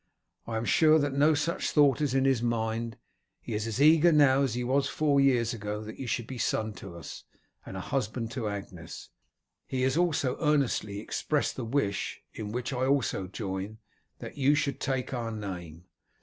I am sure that no such thought is in his mind. He is as eager now as he was four years ago that you should be a son to us, and a husband to Agnes. He has also earnestly expressed the wish, in which I also join, that you should take our name.